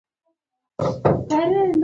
دیارلسم پاچا په اتلس سوی ژباړل کېږي.